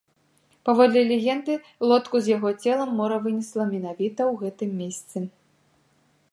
Паводле легенды, лодку з яго целам мора вынесла менавіта ў гэтым месцы.